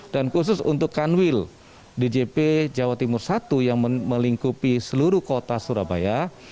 dan khusus untuk kanwil djp jawa timur i yang melingkupi seluruh kota surabaya